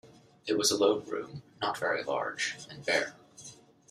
It was a low room, not very large, and bare.